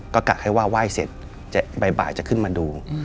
ก็กะให้ว่าไหว้เสร็จจะบ่ายบ่ายจะขึ้นมาดูอืม